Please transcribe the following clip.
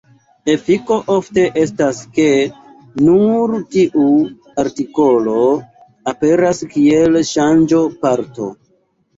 Efiko ofte estas, ke nur tiu artikolo aperas kiel ŝanĝo-parto.